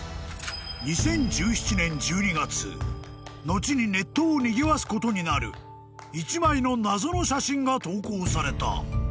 ［後にネットをにぎわすことになる１枚の謎の写真が投稿された］